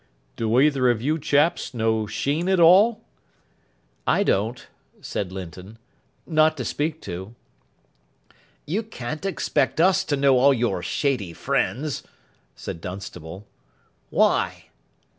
"Do either of you chaps know Sheen at all?" "I don't," said Linton. "Not to speak to." "You can't expect us to know all your shady friends," said Dunstable. "Why?"